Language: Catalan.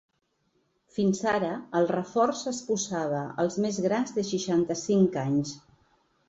Fins ara, el reforç es posava als més grans de seixanta-cinc anys.